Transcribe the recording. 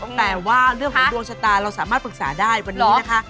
แต่ว่าเรื่องของดวงชะตาเราสามารถปรึกษาได้วันนี้นะคะ